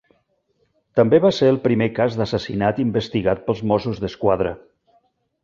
També va ser el primer cas d'assassinat investigat pels Mossos d'Esquadra.